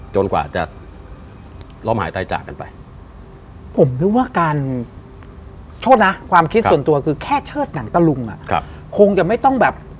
ใช่ครับ